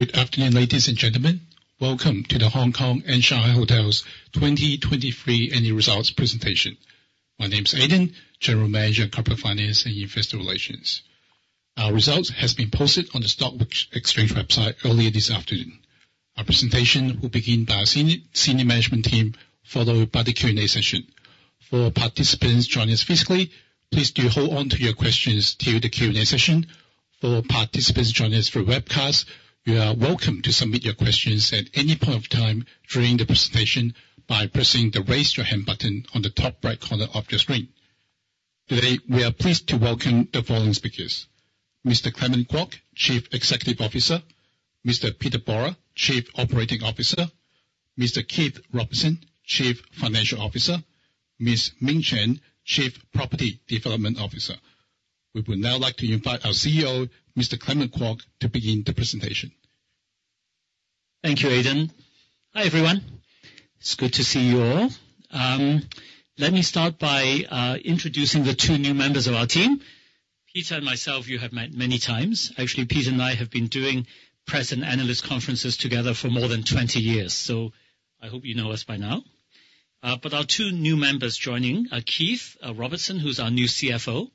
Good afternoon, ladies and gentlemen. Welcome to The Hongkong and Shanghai Hotels' 2023 Annual Results presentation. My name's Aiden, General Manager of Corporate Finance and Investor Relations. Our results have been posted on the Stock Exchange website earlier this afternoon. Our presentation will begin by our senior management team following a brief Q&A session. For participants joining us physically, please do hold on to your questions till the Q&A session. For participants joining us through webcast, you are welcome to submit your questions at any point of time during the presentation by pressing the raise your hand button on the top right corner of your screen. Today, we are pleased to welcome the following speakers: Mr. Clement Kwok, Chief Executive Officer; Mr. Peter Borer, Chief Operating Officer; Mr. Keith Robertson, Chief Financial Officer; Ms. Ming Chen, Chief Property Development Officer. We would now like to invite our CEO, Mr. Clement Kwok, to begin the presentation. Thank you, Aiden. Hi, everyone. It's good to see you all. Let me start by introducing the two new members of our team. Peter and myself, you have met many times. Actually, Peter and I have been doing press and analyst conferences together for more than 20 years, so I hope you know us by now. But our two new members joining are Keith Robertson, who's our new CFO,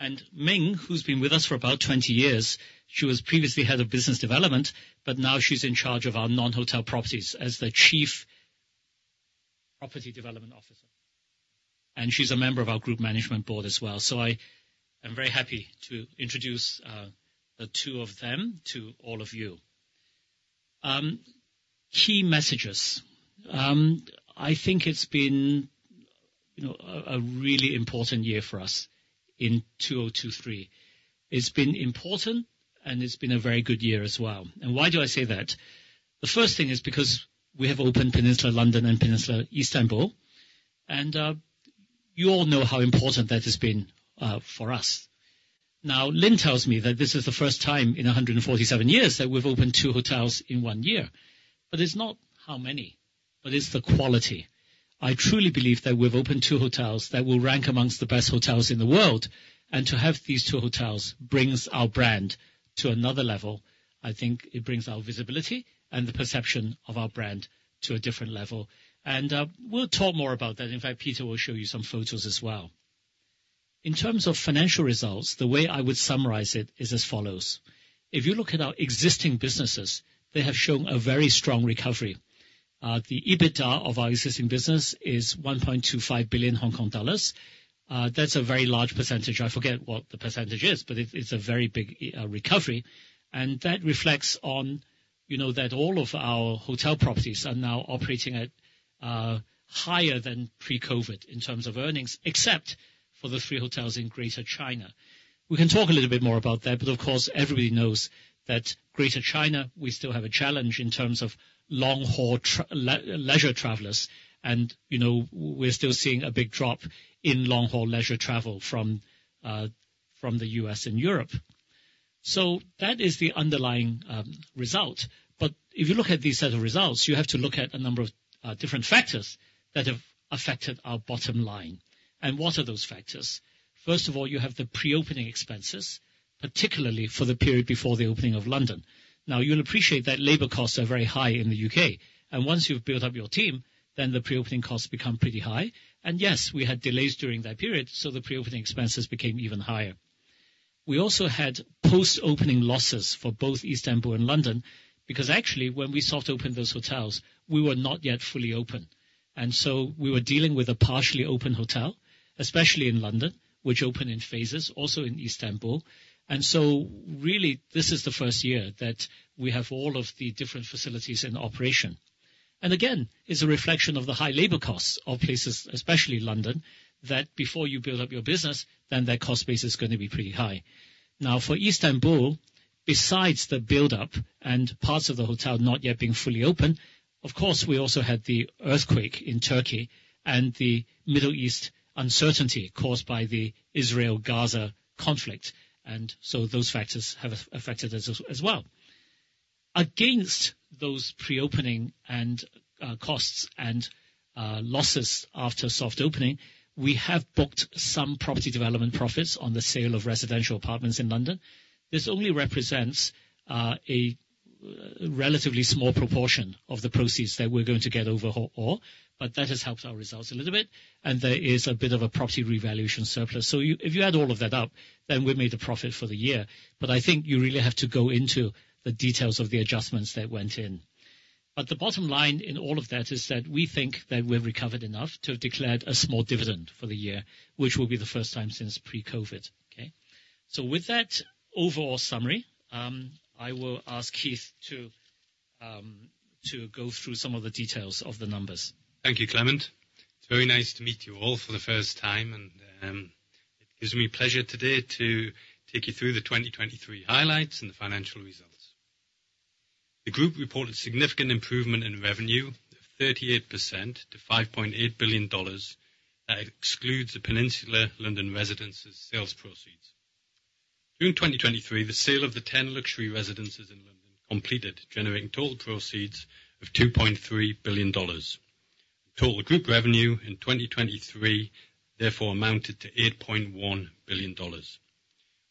and Ming, who's been with us for about 20 years. She was previously head of business development, but now she's in charge of our non-hotel properties as the Chief Property Development Officer. And she's a member of our group management board as well. So I am very happy to introduce the two of them to all of you. Key messages. I think it's been, you know, a really important year for us in 2023. It's been important, and it's been a very good year as well. Why do I say that? The first thing is because we have opened Peninsula London and Peninsula Istanbul, and, you all know how important that has been, for us. Now, Lynne tells me that this is the first time in 147 years that we've opened two hotels in one year. It's not how many, but it's the quality. I truly believe that we've opened two hotels that will rank amongst the best hotels in the world, and to have these two hotels brings our brand to another level. I think it brings our visibility and the perception of our brand to a different level. We'll talk more about that. In fact, Peter will show you some photos as well. In terms of financial results, the way I would summarize it is as follows. If you look at our existing businesses, they have shown a very strong recovery. The EBITDA of our existing business is 1.25 billion Hong Kong dollars. That's a very large percentage. I forget what the percentage is, but it's a very big recovery. And that reflects on, you know, that all of our hotel properties are now operating at higher than pre-COVID in terms of earnings, except for the three hotels in Greater China. We can talk a little bit more about that, but of course, everybody knows that Greater China, we still have a challenge in terms of long-haul travel leisure travelers, and, you know, we're still seeing a big drop in long-haul leisure travel from the U.S. and Europe. So that is the underlying result. But if you look at these set of results, you have to look at a number of, different factors that have affected our bottom line. And what are those factors? First of all, you have the pre-opening expenses, particularly for the period before the opening of London. Now, you'll appreciate that labor costs are very high in the U.K. And once you've built up your team, then the pre-opening costs become pretty high. And yes, we had delays during that period, so the pre-opening expenses became even higher. We also had post-opening losses for both Istanbul and London because, actually, when we soft-opened those hotels, we were not yet fully open. And so we were dealing with a partially open hotel, especially in London, which opened in phases, also in Istanbul. And so really, this is the first year that we have all of the different facilities in operation. Again, it's a reflection of the high labor costs of places, especially London, that before you build up your business, then that cost base is gonna be pretty high. Now, for Istanbul, besides the buildup and parts of the hotel not yet being fully open, of course, we also had the earthquake in Turkey and the Middle East uncertainty caused by the Israel-Gaza conflict. So those factors have affected us as well. Against those pre-opening costs and losses after soft-opening, we have booked some property development profits on the sale of residential apartments in London. This only represents a relatively small proportion of the proceeds that we're going to get overall, but that has helped our results a little bit. And there is a bit of a property revaluation surplus. So, if you add all of that up, then we've made a profit for the year. But I think you really have to go into the details of the adjustments that went in. But the bottom line in all of that is that we think that we've recovered enough to have declared a small dividend for the year, which will be the first time since pre-COVID, okay? So with that overall summary, I will ask Keith to go through some of the details of the numbers. Thank you, Clement. It's very nice to meet you all for the first time, and, it gives me pleasure today to take you through the 2023 highlights and the financial results. The group reported significant improvement in revenue of 38% to 5.8 billion dollars. That excludes the Peninsula London residences' sales proceeds. June 2023, the sale of the 10 luxury residences in London completed, generating total proceeds of 2.3 billion dollars. Total group revenue in 2023 therefore amounted to 8.1 billion dollars.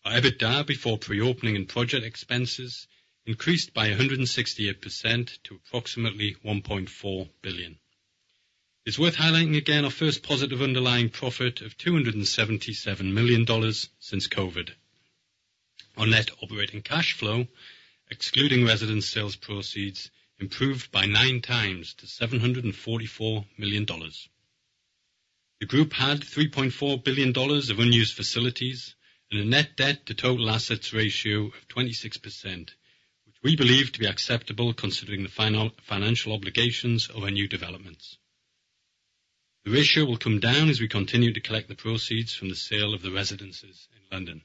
Our EBITDA before pre-opening and project expenses increased by 168% to approximately 1.4 billion. It's worth highlighting again our first positive underlying profit of 277 million dollars since COVID. Our net operating cash flow, excluding residence sales proceeds, improved by 9 times to 744 million dollars. The group had $3.4 billion of unused facilities and a net debt-to-total assets ratio of 26%, which we believe to be acceptable considering the final financial obligations of our new developments. The ratio will come down as we continue to collect the proceeds from the sale of the residences in London.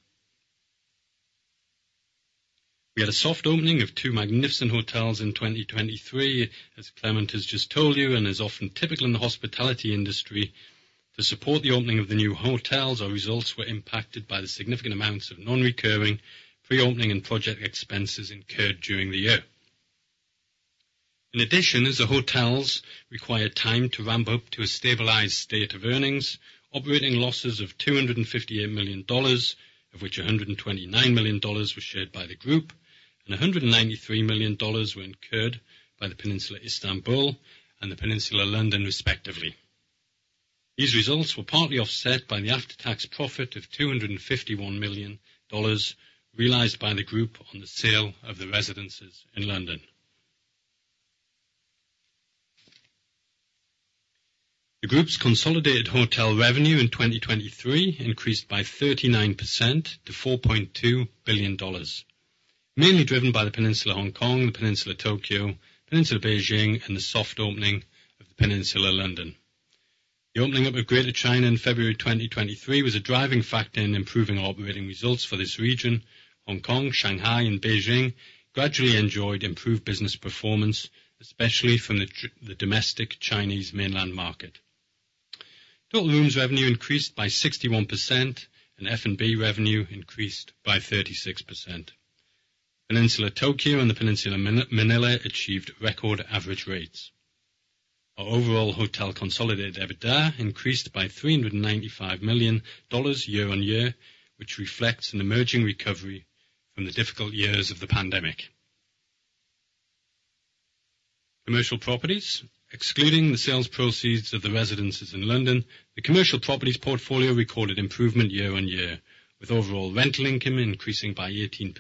We had a soft-opening of two magnificent hotels in 2023, as Clement has just told you and is often typical in the hospitality industry. To support the opening of the new hotels, our results were impacted by the significant amounts of non-recurring, pre-opening, and project expenses incurred during the year. In addition, as the hotels required time to ramp up to a stabilized state of earnings, operating losses of $258 million, of which $129 million were shared by the group, and $193 million were incurred by the Peninsula Istanbul and the Peninsula London, respectively. These results were partly offset by the after-tax profit of HKD 251 million realized by the group on the sale of the residences in London. The group's consolidated hotel revenue in 2023 increased by 39% to 4.2 billion dollars, mainly driven by the Peninsula Hong Kong, the Peninsula Tokyo, Peninsula Beijing, and the soft-opening of the Peninsula London. The opening up of Greater China in February 2023 was a driving factor in improving our operating results for this region. Hong Kong, Shanghai, and Beijing gradually enjoyed improved business performance, especially from the domestic Chinese mainland market. Total rooms revenue increased by 61%, and F&B revenue increased by 36%. Peninsula Tokyo and the Peninsula Manila achieved record average rates. Our overall hotel consolidated EBITDA increased by 395 million dollars year-over-year, which reflects an emerging recovery from the difficult years of the pandemic. Commercial properties. Excluding the sales proceeds of the residences in London, the commercial properties portfolio recorded improvement year-on-year, with overall rental income increasing by 18%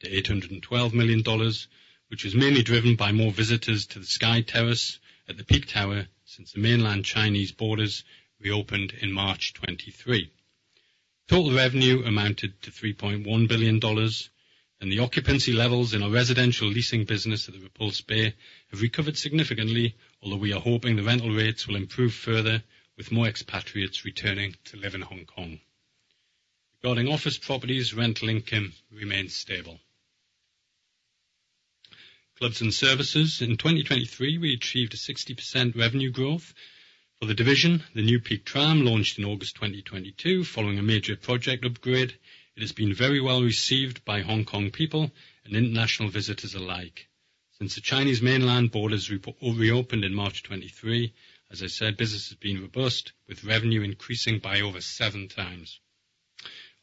to 812 million dollars, which was mainly driven by more visitors to the Sky Terrace at The Peak Tower since the mainland Chinese borders reopened in March 2023. Total revenue amounted to 3.1 billion dollars, and the occupancy levels in our residential leasing business at The Repulse Bay have recovered significantly, although we are hoping the rental rates will improve further with more expatriates returning to live in Hong Kong. Regarding office properties, rental income remains stable. Clubs and services. In 2023, we achieved a 60% revenue growth. For the division, the New Peak Tram launched in August 2022 following a major project upgrade. It has been very well received by Hong Kong people and international visitors alike. Since the Chinese mainland borders reopened in March 2023, as I said, business has been robust, with revenue increasing by over seven times.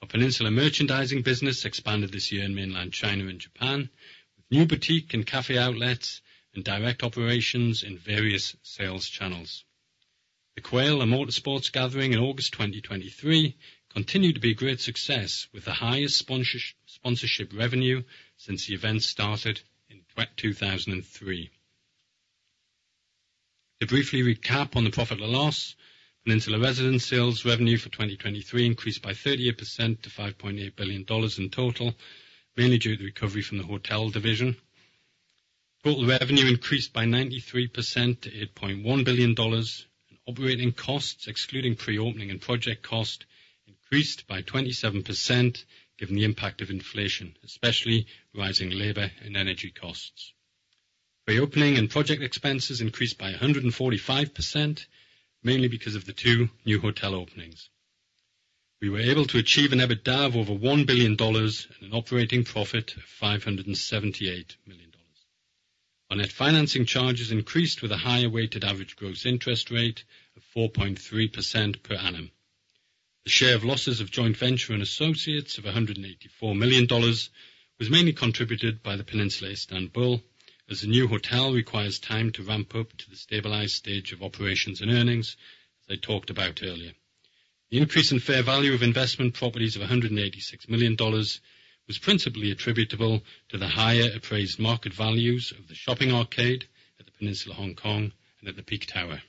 Our Peninsula Merchandising business expanded this year in mainland China and Japan, with new boutique and café outlets and direct operations in various sales channels. The Quail, A Motorsports Gathering in August 2023 continued to be a great success, with the highest sponsorship revenue since the event started in 2003. To briefly recap on the profit and loss, Peninsula residential sales revenue for 2023 increased by 38% to HKD 5.8 billion in total, mainly due to the recovery from the hotel division. Total revenue increased by 93% to 8.1 billion dollars. Operating costs, excluding pre-opening and project costs, increased by 27% given the impact of inflation, especially rising labor and energy costs. Pre-opening and project expenses increased by 145%, mainly because of the two new hotel openings. We were able to achieve an EBITDA of over 1 billion dollars and an operating profit of 578 million dollars. Our net financing charges increased with a higher weighted average gross interest rate of 4.3% per annum. The share of losses of joint venture and associates of 184 million dollars was mainly contributed by the Peninsula Istanbul, as the new hotel requires time to ramp up to the stabilized stage of operations and earnings, as I talked about earlier. The increase in fair value of investment properties of 186 million dollars was principally attributable to the higher appraised market values of the shopping arcade at the Peninsula Hong Kong and at the Peak Tower.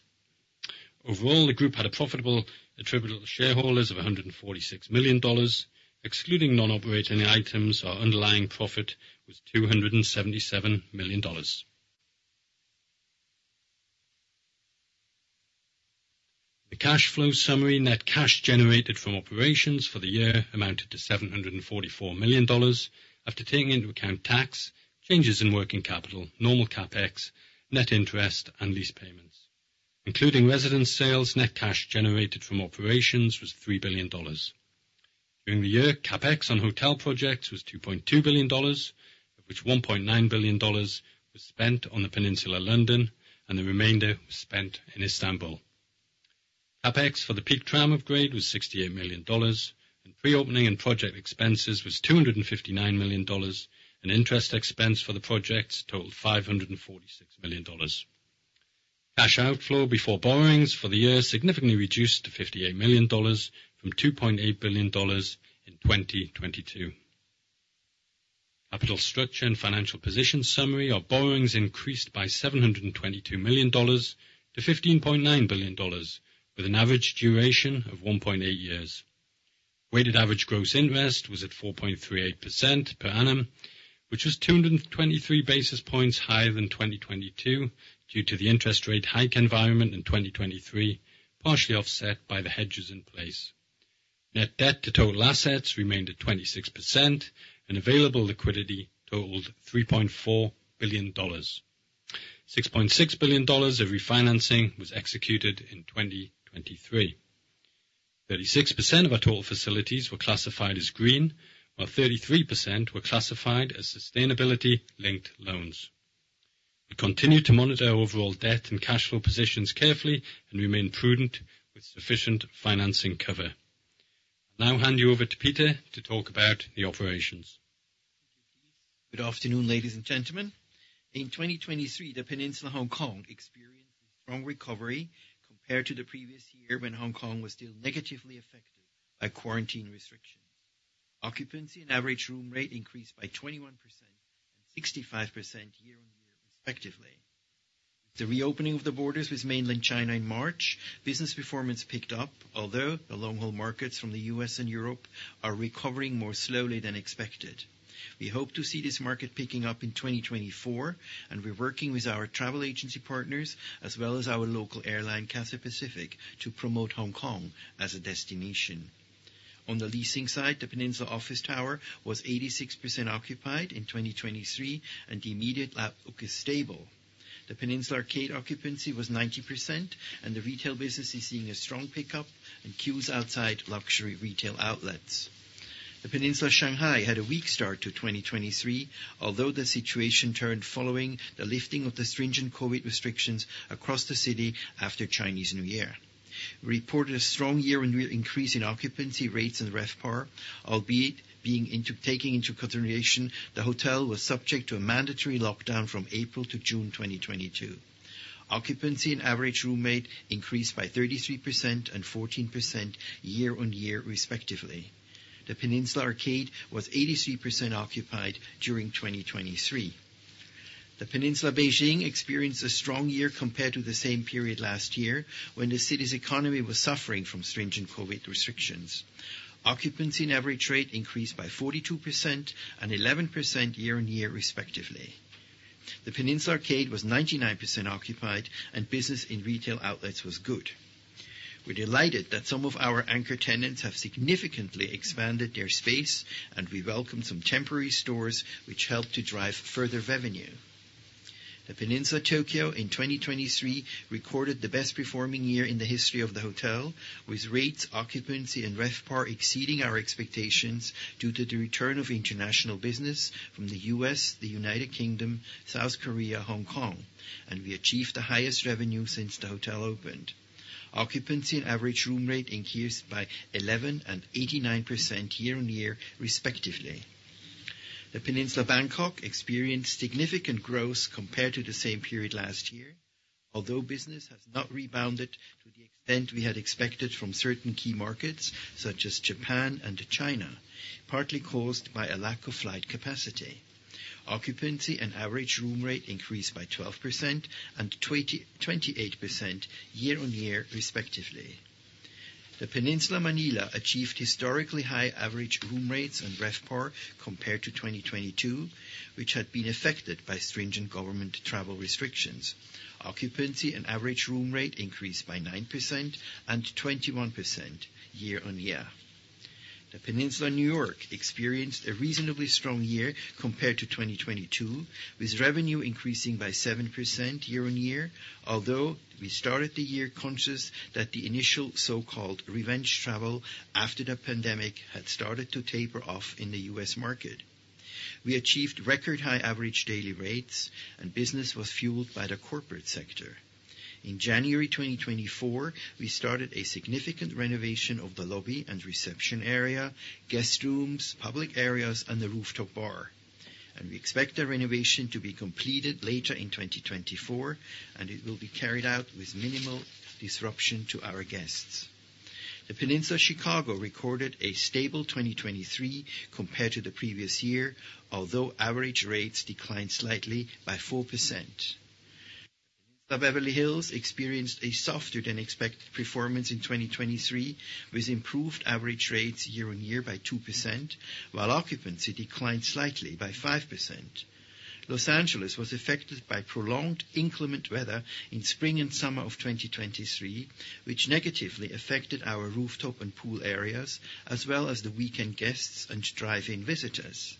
Overall, the group had a profitable attributable shareholders of 146 million dollars. Excluding non-operating items, our underlying profit was 277 million dollars. The cash flow summary. Net cash generated from operations for the year amounted to 744 million dollars after taking into account tax, changes in working capital, normal CapEx, net interest, and lease payments. Including residence sales, net cash generated from operations was 3 billion dollars. During the year, CapEx on hotel projects was 2.2 billion dollars, of which 1.9 billion dollars was spent on the Peninsula London, and the remainder was spent in Istanbul. CapEx for the Peak Tram upgrade was HKD 68 million, and pre-opening and project expenses was HKD 259 million, and interest expense for the projects totaled HKD 546 million. Cash outflow before borrowings for the year significantly reduced to HKD 58 million from HKD 2.8 billion in 2022. Capital structure and financial position summary. Our borrowings increased by 722 million dollars to 15.9 billion dollars, with an average duration of 1.8 years. Weighted average gross interest was at 4.38% per annum, which was 223 basis points higher than 2022 due to the interest rate hike environment in 2023, partially offset by the hedges in place. Net debt-to-total assets remained at 26%, and available liquidity totaled 3.4 billion dollars. 6.6 billion dollars of refinancing was executed in 2023. 36% of our total facilities were classified as green, while 33% were classified as sustainability-linked loans. We continue to monitor our overall debt and cash flow positions carefully and remain prudent with sufficient financing cover. I'll now hand you over to Peter to talk about the operations. Good afternoon, ladies and gentlemen. In 2023, The Peninsula Hong Kong experienced a strong recovery compared to the previous year when Hong Kong was still negatively affected by quarantine restrictions. Occupancy and average room rate increased by 21% and 65% year-on-year, respectively. With the reopening of the borders with mainland China in March, business performance picked up, although the long-haul markets from the U.S. and Europe are recovering more slowly than expected. We hope to see this market picking up in 2024, and we're working with our travel agency partners as well as our local airline, Cathay Pacific, to promote Hong Kong as a destination. On the leasing side, The Peninsula Office Tower was 86% occupied in 2023, and the immediate outlook is stable. The Peninsula Arcade occupancy was 90%, and the retail business is seeing a strong pickup and queues outside luxury retail outlets. The Peninsula Shanghai had a weak start to 2023, although the situation turned following the lifting of the stringent COVID restrictions across the city after Chinese New Year. We reported a strong year-on-year increase in occupancy rates and RevPAR, albeit taking into consideration the hotel was subject to a mandatory lockdown from April to June 2022. Occupancy and average room rate increased by 33% and 14% year-on-year, respectively. The Peninsula Arcade was 83% occupied during 2023. The Peninsula Beijing experienced a strong year compared to the same period last year when the city's economy was suffering from stringent COVID restrictions. Occupancy and average rate increased by 42% and 11% year-on-year, respectively. The Peninsula Arcade was 99% occupied, and business in retail outlets was good. We're delighted that some of our anchor tenants have significantly expanded their space, and we welcome some temporary stores, which help to drive further revenue. The Peninsula Tokyo in 2023 recorded the best-performing year in the history of the hotel, with rates, occupancy, and RevPAR exceeding our expectations due to the return of international business from the U.S., the United Kingdom, South Korea, Hong Kong, and we achieved the highest revenue since the hotel opened. Occupancy and average room rate increased by 11% and 89% year-on-year, respectively. The Peninsula Bangkok experienced significant growth compared to the same period last year, although business has not rebounded to the extent we had expected from certain key markets such as Japan and China, partly caused by a lack of flight capacity. Occupancy and average room rate increased by 12% and 28% year-on-year, respectively. The Peninsula Manila achieved historically high average room rates and RevPAR compared to 2022, which had been affected by stringent government travel restrictions. Occupancy and average room rate increased by 9% and 21% year-on-year. The Peninsula New York experienced a reasonably strong year compared to 2022, with revenue increasing by 7% year-on-year, although we started the year conscious that the initial so-called revenge travel after the pandemic had started to taper off in the U.S. market. We achieved record-high average daily rates, and business was fueled by the corporate sector. In January 2024, we started a significant renovation of the lobby and reception area, guest rooms, public areas, and the rooftop bar, and we expect the renovation to be completed later in 2024, and it will be carried out with minimal disruption to our guests. The Peninsula Chicago recorded a stable 2023 compared to the previous year, although average rates declined slightly by 4%. The Peninsula Beverly Hills experienced a softer-than-expected performance in 2023, with improved average rates year-on-year by 2%, while occupancy declined slightly by 5%. Los Angeles was affected by prolonged inclement weather in spring and summer of 2023, which negatively affected our rooftop and pool areas, as well as the weekend guests and drive-in visitors.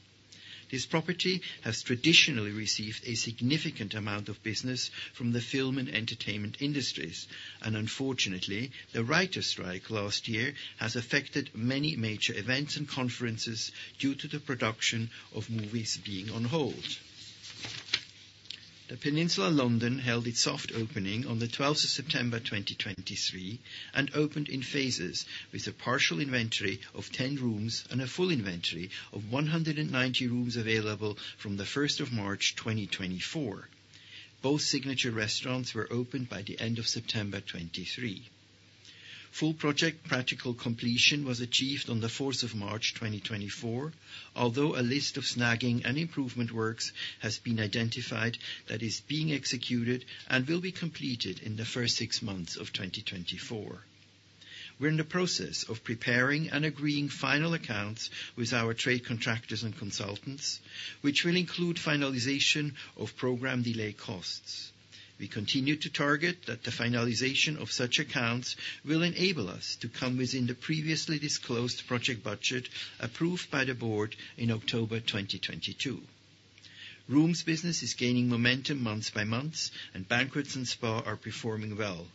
This property has traditionally received a significant amount of business from the film and entertainment industries, and unfortunately, the writer's strike last year has affected many major events and conferences due to the production of movies being on hold. The Peninsula London held its soft opening on the 12th of September 2023 and opened in phases, with a partial inventory of 10 rooms and a full inventory of 190 rooms available from the 1st of March 2024. Both signature restaurants were opened by the end of September 2023. Full project practical completion was achieved on the 4th of March 2024, although a list of snagging and improvement works has been identified that is being executed and will be completed in the first six months of 2024. We're in the process of preparing and agreeing final accounts with our trade contractors and consultants, which will include finalization of program delay costs. We continue to target that the finalization of such accounts will enable us to come within the previously disclosed project budget approved by the board in October 2022. Rooms business is gaining momentum month by month, and banquets and spa are performing well.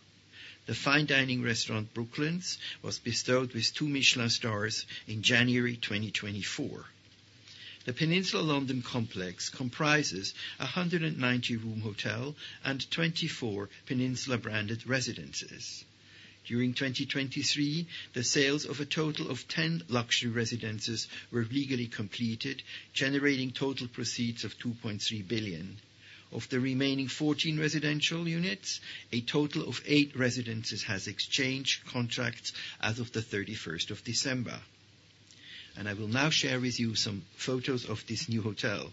The fine dining restaurant Brooklands was bestowed with two Michelin stars in January 2024. The Peninsula London complex comprises 190 room hotels and 24 Peninsula-branded residences. During 2023, the sales of a total of 10 luxury residences were legally completed, generating total proceeds of 2.3 billion. Of the remaining 14 residential units, a total of eight residences has exchanged contracts as of the 31st of December. And I will now share with you some photos of this new hotel.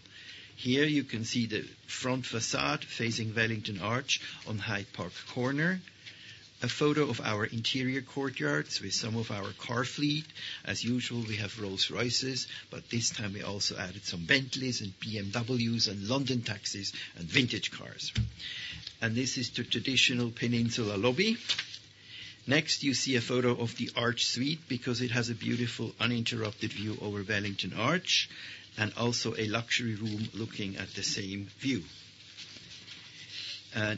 Here, you can see the front façade facing Wellington Arch on Hyde Park Corner, a photo of our interior courtyards with some of our car fleet. As usual, we have Rolls-Royces, but this time we also added some Bentleys and BMWs and London taxis and vintage cars. And this is the traditional Peninsula lobby. Next, you see a photo of the Arch Suite because it has a beautiful uninterrupted view over Wellington Arch and also a luxury room looking at the same view.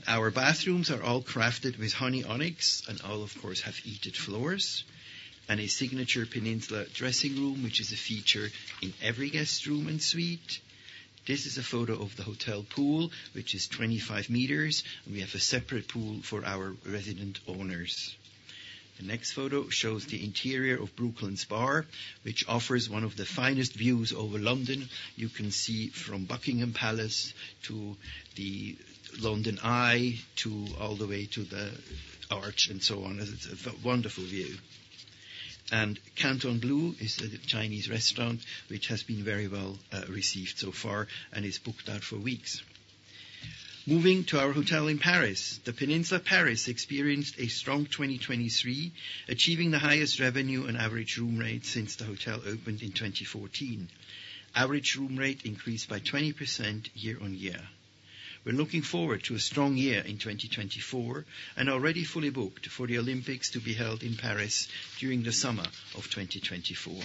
Our bathrooms are all crafted with honey onyx, and all, of course, have heated floors, and a signature Peninsula dressing room, which is a feature in every guest room and suite. This is a photo of the hotel pool, which is 25 meters, and we have a separate pool for our resident owners. The next photo shows the interior of Brooklands Bar, which offers one of the finest views over London. You can see from Buckingham Palace to the London Eye all the way to the Arch and so on. It's a wonderful view. Canton Blue is a Chinese restaurant which has been very well received so far and is booked out for weeks. Moving to our hotel in Paris, The Peninsula Paris experienced a strong 2023, achieving the highest revenue and average room rate since the hotel opened in 2014. Average room rate increased by 20% year-over-year. We're looking forward to a strong year in 2024 and already fully booked for the Olympics to be held in Paris during the summer of 2024.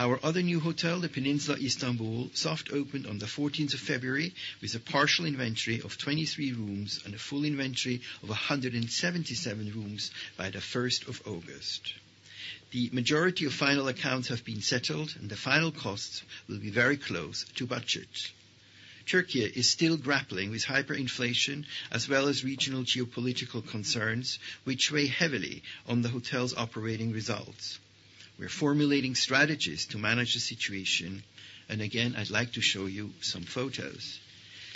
Our other new hotel, The Peninsula Istanbul, soft opened on the 14th of February with a partial inventory of 23 rooms and a full inventory of 177 rooms by the 1st of August. The majority of final accounts have been settled, and the final costs will be very close to budget. Turkey is still grappling with hyperinflation as well as regional geopolitical concerns, which weigh heavily on the hotel's operating results. We're formulating strategies to manage the situation, and again, I'd like to show you some photos.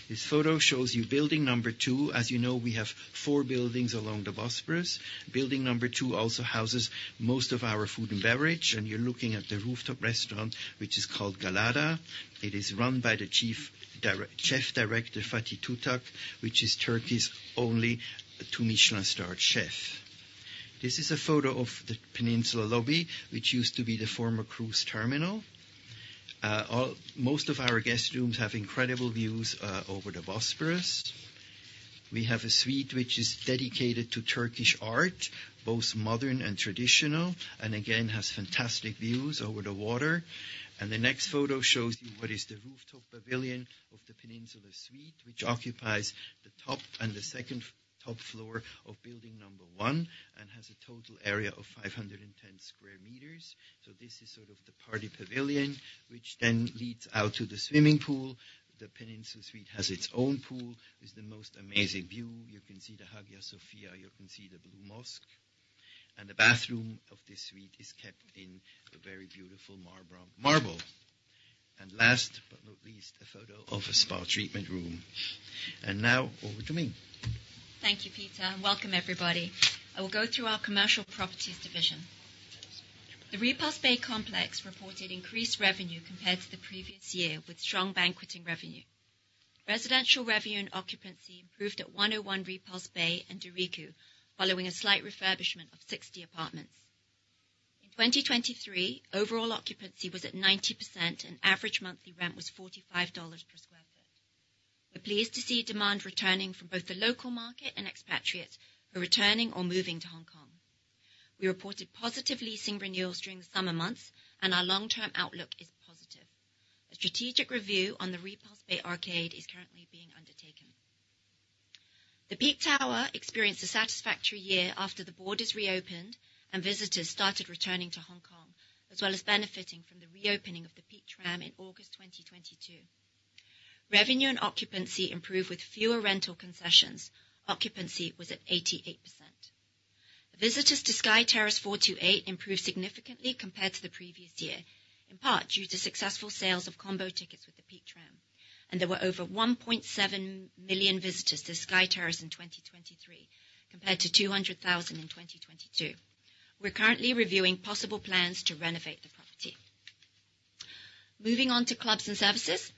This photo shows you building number two. As you know, we have four buildings along the Bosporus. Building number two also houses most of our food and beverage, and you're looking at the rooftop restaurant, which is called Gallada. It is run by the chef director, Fatih Tutak, which is Turkey's only two-Michelin-starred chef. This is a photo of the Peninsula lobby, which used to be the former cruise terminal. Most of our guest rooms have incredible views over the Bosporus. We have a suite which is dedicated to Turkish art, both modern and traditional, and again, has fantastic views over the water. The next photo shows you what is the rooftop pavilion of the Peninsula Suite, which occupies the top and the second-top floor of building number one and has a total area of 510 square meters. This is sort of the party pavilion, which then leads out to the swimming pool. The Peninsula Suite has its own pool with the most amazing view. You can see the Hagia Sophia. You can see the Blue Mosque. The bathroom of this suite is kept in a very beautiful marble. Last but not least, a photo of a spa treatment room. Now over to me. Thank you, Peter. Welcome, everybody. I will go through our commercial properties division. The Repulse Bay complex reported increased revenue compared to the previous year with strong banqueting revenue. Residential revenue and occupancy improved at 101 Repulse Bay and De Ricou following a slight refurbishment of 60 apartments. In 2023, overall occupancy was at 90%, and average monthly rent was 45 dollars per sq ft. We're pleased to see demand returning from both the local market and expatriates who are returning or moving to Hong Kong. We reported positive leasing renewals during the summer months, and our long-term outlook is positive. A strategic review on the Repulse Bay Arcade is currently being undertaken. The Peak Tower experienced a satisfactory year after the borders reopened and visitors started returning to Hong Kong, as well as benefiting from the reopening of the Peak Tram in August 2022. Revenue and occupancy improved with fewer rental concessions. Occupancy was at 88%. The visitors to Sky Terrace 428 improved significantly compared to the previous year, in part due to successful sales of combo tickets with the Peak Tram, and there were over 1.7 million visitors to Sky Terrace in 2023 compared to 200,000 in 2022. We're currently reviewing possible plans to renovate the property. Moving on to clubs and services,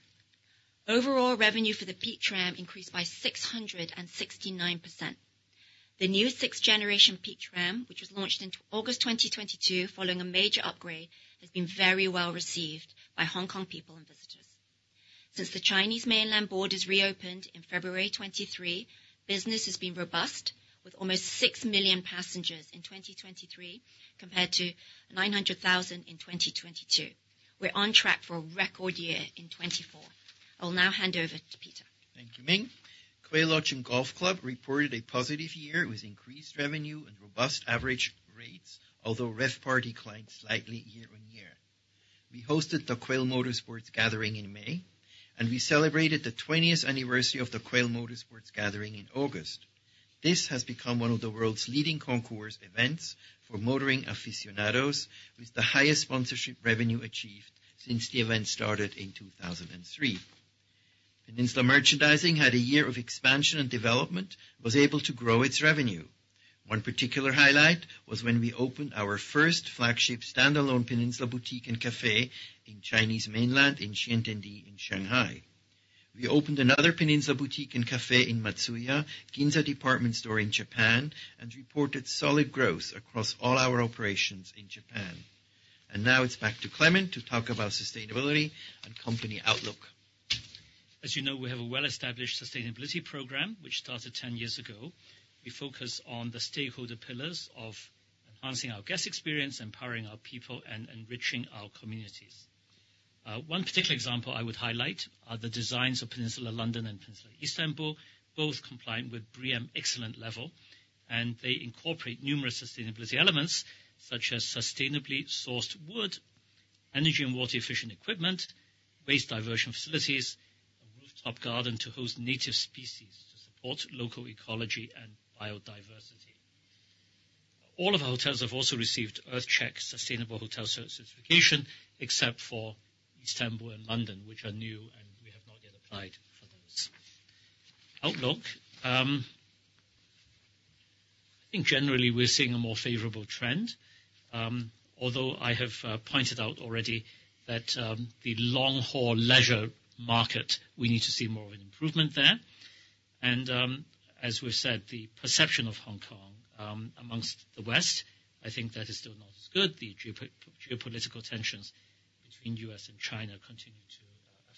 overall revenue for the Peak Tram increased by 669%. The new sixth-generation Peak Tram, which was launched in August 2022 following a major upgrade, has been very well received by Hong Kong people and visitors. Since the Chinese mainland borders reopened in February 2023, business has been robust with almost 6 million passengers in 2023 compared to 900,000 in 2022. We're on track for a record year in 2024. I will now hand over to Peter. Thank you, Ming. Quail Lodge and Golf Club reported a positive year with increased revenue and robust average rates, although RevPAR declined slightly year on year. We hosted the Quail Motorsports Gathering in May, and we celebrated the 20th anniversary of the Quail Motorsports Gathering in August. This has become one of the world's leading concours events for motoring aficionados, with the highest sponsorship revenue achieved since the event started in 2003. Peninsula Merchandising had a year of expansion and development and was able to grow its revenue. One particular highlight was when we opened our first flagship standalone Peninsula boutique and café in Chinese mainland in Xintiandi in Shanghai. We opened another Peninsula boutique and café in Matsuya Ginza department store in Japan, and reported solid growth across all our operations in Japan. Now it's back to Clement to talk about sustainability and company outlook. As you know, we have a well-established sustainability program which started 10 years ago. We focus on the stakeholder pillars of enhancing our guest experience, empowering our people, and enriching our communities. One particular example I would highlight are the designs of Peninsula London and Peninsula Istanbul, both compliant with BREEAM Excellent level, and they incorporate numerous sustainability elements such as sustainably sourced wood, energy and water-efficient equipment, waste diversion facilities, a rooftop garden to host native species to support local ecology and biodiversity. All of our hotels have also received EarthCheck sustainable hotel certification, except for Istanbul and London, which are new, and we have not yet applied for those. Outlook, I think generally we're seeing a more favorable trend, although I have pointed out already that the long-haul leisure market, we need to see more of an improvement there. As we've said, the perception of Hong Kong among the West, I think that is still not as good. The geopolitical tensions between the U.S. and China continue to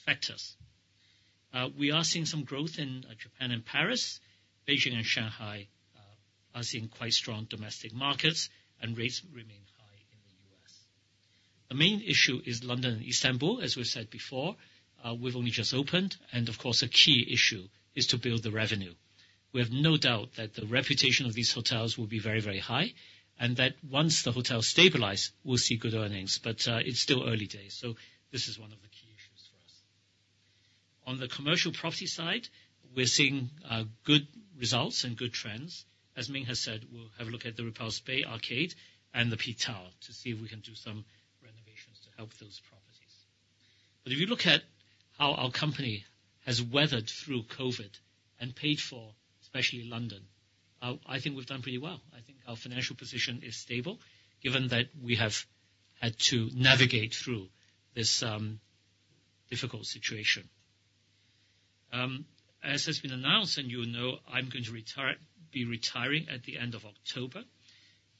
affect us. We are seeing some growth in Japan and Paris. Beijing and Shanghai are seeing quite strong domestic markets, and rates remain high in the U.S. The main issue is London and Istanbul, as we've said before. We've only just opened, and of course, a key issue is to build the revenue. We have no doubt that the reputation of these hotels will be very, very high and that once the hotels stabilize, we'll see good earnings. It's still early days, so this is one of the key issues for us. On the commercial property side, we're seeing good results and good trends. As Ming has said, we'll have a look at the Repulse Bay Arcade and the Peak Tower to see if we can do some renovations to help those properties. But if you look at how our company has weathered through COVID and fared, especially London, I think we've done pretty well. I think our financial position is stable given that we have had to navigate through this difficult situation. As has been announced and you know, I'm going to be retiring at the end of October.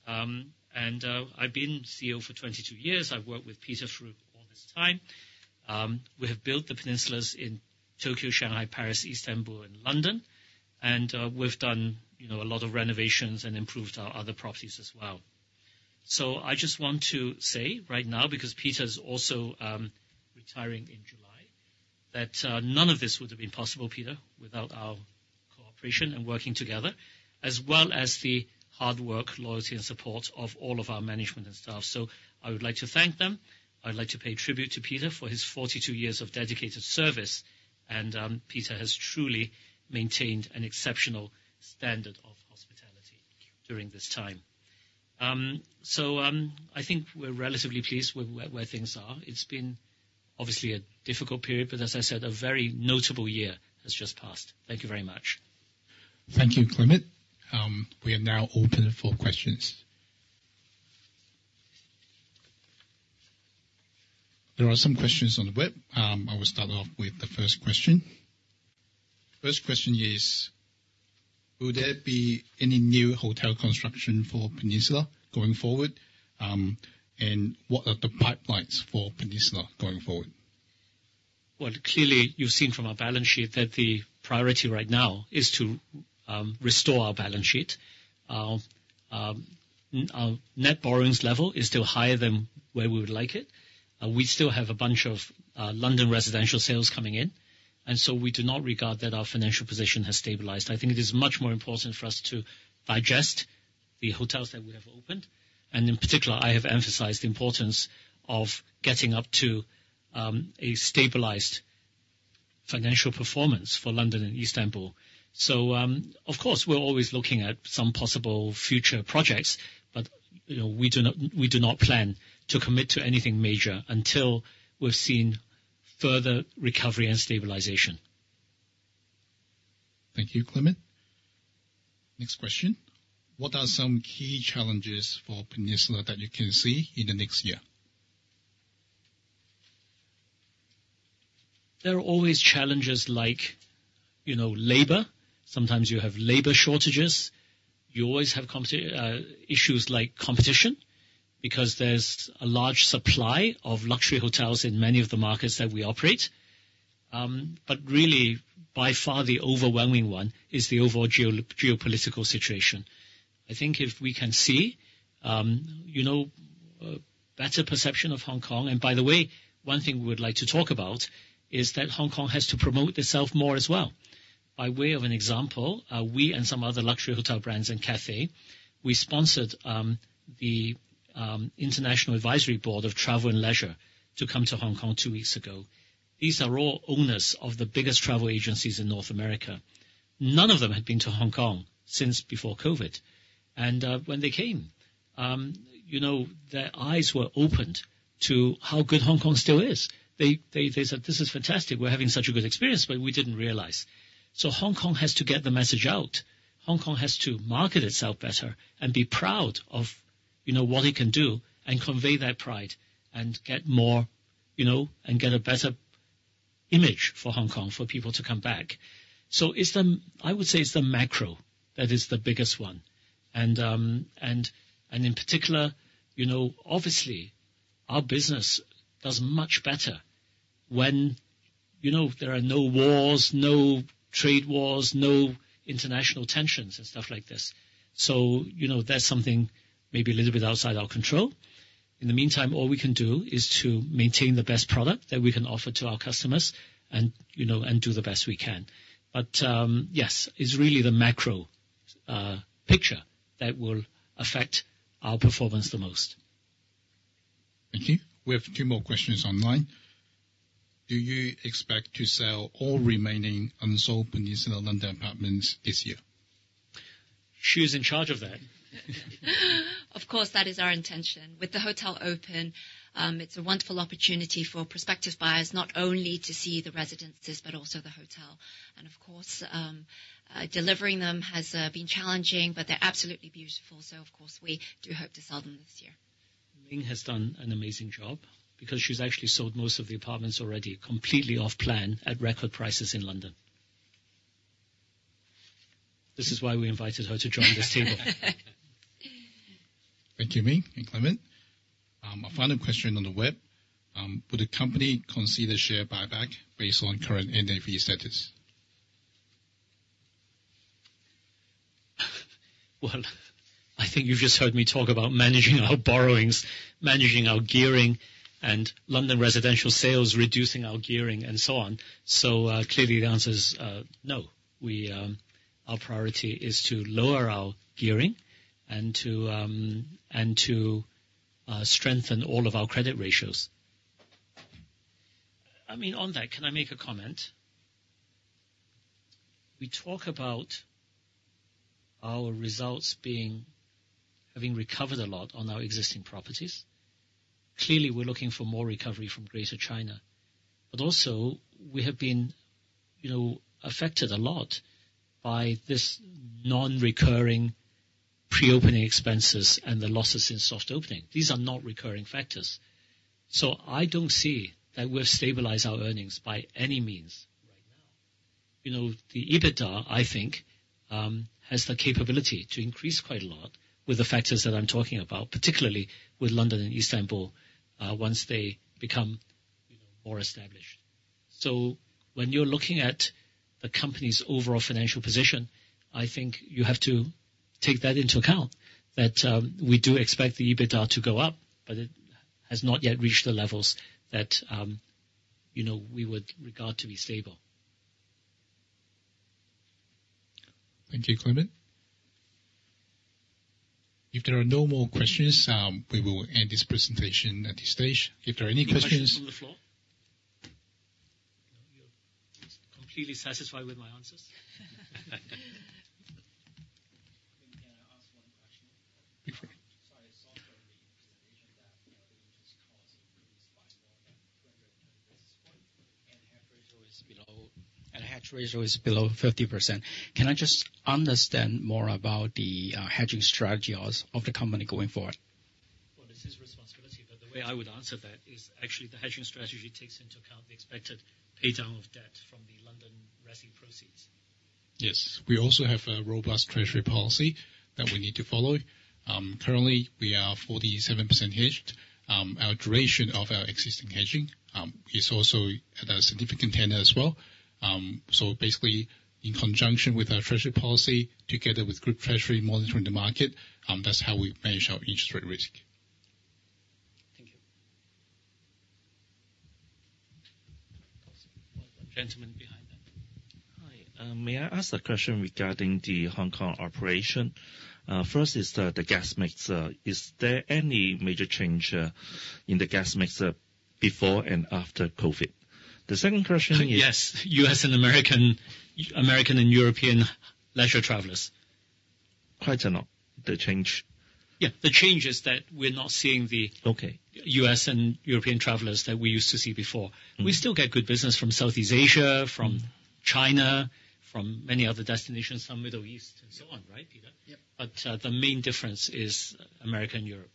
I've been CEO for 22 years. I've worked with Peter through all this time. We have built the Peninsulas in Tokyo, Shanghai, Paris, Istanbul, and London, and we've done a lot of renovations and improved our other properties as well. So I just want to say right now, because Peter is also retiring in July, that none of this would have been possible, Peter, without our cooperation and working together, as well as the hard work, loyalty, and support of all of our management and staff. So I would like to thank them. I'd like to pay tribute to Peter for his 42 years of dedicated service. And Peter has truly maintained an exceptional standard of hospitality during this time. So I think we're relatively pleased where things are. It's been obviously a difficult period, but as I said, a very notable year has just passed. Thank you very much. Thank you, Clement. We are now open for questions. There are some questions on the web. I will start off with the first question. First question is, will there be any new hotel construction for Peninsula going forward, and what are the pipelines for Peninsula going forward? Well, clearly, you've seen from our balance sheet that the priority right now is to restore our balance sheet. Our net borrowings level is still higher than where we would like it. We still have a bunch of London residential sales coming in, and so we do not regard that our financial position has stabilized. I think it is much more important for us to digest the hotels that we have opened. And in particular, I have emphasized the importance of getting up to a stabilized financial performance for London and Istanbul. So of course, we're always looking at some possible future projects, but we do not plan to commit to anything major until we've seen further recovery and stabilization. Thank you, Clement. Next question. What are some key challenges for Peninsula that you can see in the next year? There are always challenges like labor. Sometimes you have labor shortages. You always have issues like competition because there's a large supply of luxury hotels in many of the markets that we operate. But really, by far, the overwhelming one is the overall geopolitical situation. I think if we can see a better perception of Hong Kong and by the way, one thing we would like to talk about is that Hong Kong has to promote itself more as well. By way of an example, we and some other luxury hotel brands and café, we sponsored the International Advisory Board of Travel + Leisure to come to Hong Kong two weeks ago. These are all owners of the biggest travel agencies in North America. None of them had been to Hong Kong since before COVID. When they came, their eyes were opened to how good Hong Kong still is. They said, "This is fantastic. We're having such a good experience, but we didn't realize." So Hong Kong has to get the message out. Hong Kong has to market itself better and be proud of what it can do and convey that pride and get more and get a better image for Hong Kong for people to come back. So I would say it's the macro that is the biggest one. And in particular, obviously, our business does much better when there are no wars, no trade wars, no international tensions and stuff like this. So that's something maybe a little bit outside our control. In the meantime, all we can do is to maintain the best product that we can offer to our customers and do the best we can. But yes, it's really the macro picture that will affect our performance the most. Thank you. We have two more questions online. Do you expect to sell all remaining unsold Peninsula London apartments this year? She's in charge of that. Of course, that is our intention. With the hotel open, it's a wonderful opportunity for prospective buyers not only to see the residences but also the hotel. Of course, delivering them has been challenging, but they're absolutely beautiful. Of course, we do hope to sell them this year. Ming has done an amazing job because she's actually sold most of the apartments already completely off-plan at record prices in London. This is why we invited her to join this table. Thank you, Ming and Clement. A final question on the web. Would the company consider share buyback based on current NAV status? Well, I think you've just heard me talk about managing our borrowings, managing our gearing, and London residential sales reducing our gearing and so on. Clearly, the answer is no. Our priority is to lower our gearing and to strengthen all of our credit ratios. I mean, on that, can I make a comment? We talk about our results having recovered a lot on our existing properties. Clearly, we're looking for more recovery from Greater China. But also, we have been affected a lot by this non-recurring pre-opening expenses and the losses in soft opening. These are not recurring factors. I don't see that we've stabilized our earnings by any means right now. The EBITDA, I think, has the capability to increase quite a lot with the factors that I'm talking about, particularly with London and Istanbul, once they become more established. When you're looking at the company's overall financial position, I think you have to take that into account, that we do expect the EBITDA to go up, but it has not yet reached the levels that we would regard to be stable. Thank you, Clement. If there are no more questions, we will end this presentation at this stage. If there are any questions. Questions on the floor? You're completely satisfied with my answers? Can I ask one question? Please go ahead. Sorry. I saw during the presentation that the interest cost increased by more than 200 at this point, and the hedge ratio is below 50%. Can I just understand more about the hedging strategy of the company going forward? Well, this is responsibility, but the way I would answer that is actually the hedging strategy takes into account the expected paydown of debt from the London rescue proceeds. Yes. We also have a robust treasury policy that we need to follow. Currently, we are 47% hedged. Our duration of our existing hedging is also at a significant 10 as well. So basically, in conjunction with our treasury policy, together with group treasury monitoring the market, that's how we manage our interest rate risk. Thank you. Gentleman behind that. Hi. May I ask a question regarding the Hong Kong operation? First is the guest mix. Is there any major change in the guest mix before and after COVID? The second question is. Yes. U.S. and American and European leisure travelers. Quite a lot, the change. Yeah. The change is that we're not seeing the U.S. and European travelers that we used to see before. We still get good business from Southeast Asia, from China, from many other destinations, some Middle East and so on, right, Peter? But the main difference is America and Europe.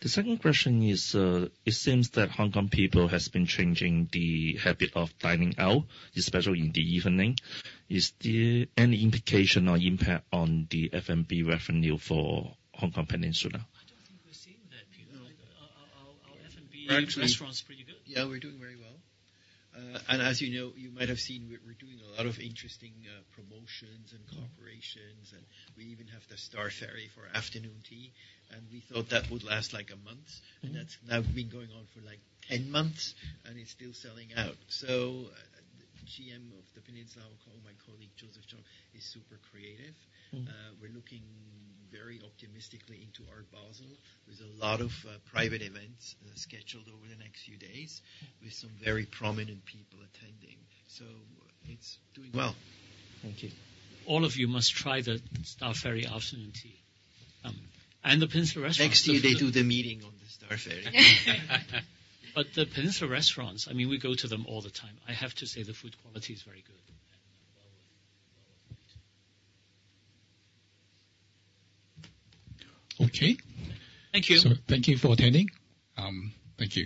The second question is, it seems that Hong Kong people have been changing the habit of dining out, especially in the evening. Is there any implication or impact on the F&B revenue for Hong Kong Peninsula? I don't think we're seeing that, Peter. Our F&B restaurant's pretty good. Yeah, we're doing very well. And as you know, you might have seen we're doing a lot of interesting promotions and cooperations. And we even have the Star Ferry for afternoon tea. And we thought that would last like a month, and that's now been going on for like 10 months, and it's still selling out. So the GM of The Peninsula Hong Kong, my colleague Joseph Chong, is super creative. We're looking very optimistically into Art Basel. There's a lot of private events scheduled over the next few days with some very prominent people attending. So it's doing well. Thank you. All of you must try the Star Ferry afternoon tea and the Peninsula restaurants. Next year, they do the meeting on the Star Ferry. The Peninsula restaurants, I mean, we go to them all the time. I have to say the food quality is very good and well worth it. Okay. Thank you. Thank you for attending. Thank you.